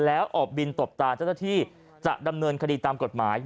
แล้วออกบินตบตาเจ้าหน้าที่จะดำเนินคดีตามกฎหมาย